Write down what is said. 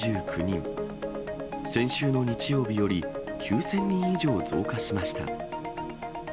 先週の日曜日より９０００人以上増加しました。